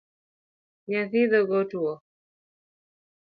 Nyathi dhoge otwo